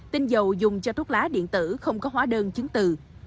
tinh dầu dùng cho thuốc lá điện tử không có hóa đơn chứng từ